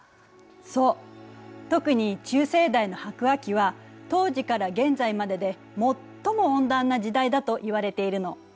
そう特に中生代の白亜紀は当時から現在までで最も温暖な時代だといわれているの。